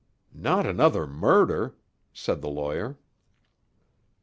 "Not another murder?" said the lawyer.